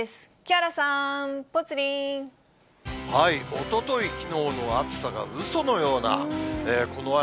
おととい、きのうの暑さがうそのような、この雨。